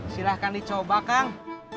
silahkan dicoba kang